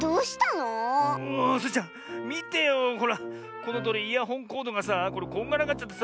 このとおりイヤホンコードがさこんがらがっちゃってさ